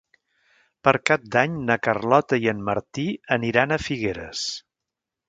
Per Cap d'Any na Carlota i en Martí aniran a Figueres.